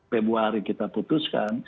februari kita putuskan